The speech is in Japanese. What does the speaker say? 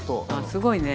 すごいね。